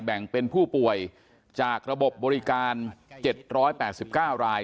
แบ่งเป็นผู้ป่วยจากระบบบริการ๗๘๙ราย